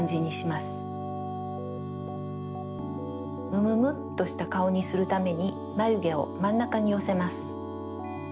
むむむっとしたかおにするためにまゆげをまんなかによせます。